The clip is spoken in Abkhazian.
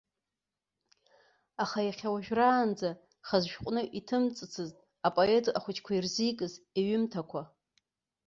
Аха иахьауажәраанӡа хаз шәҟәны иҭымҵыцызт апоет ахәыҷқәа ирзикыз иҩымҭақәа.